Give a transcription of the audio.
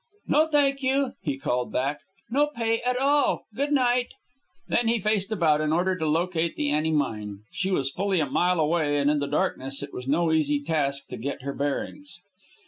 "No, thank you," he called back. "No pay at all. Good night." Then he faced about in order to locate the Annie Mine. She was fully a mile away, and in the darkness it was no easy task to get her bearings.